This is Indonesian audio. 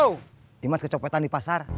dimas kecopetan di pasar